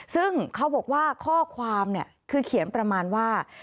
ซึ่งเขาบอกว่าข้อความเนี่ยคือเขียนประมาณว่า